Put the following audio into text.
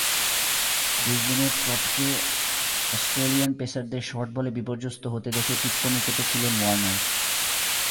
ব্রিসবেনে ট্রটকে অস্ট্রেলিয়ান পেসারদের শর্ট বলে বিপর্যস্ত হতে দেখে টিপ্পনী কেটেছিলেন ওয়ার্নার।